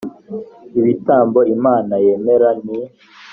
ibitambo imana yemera ni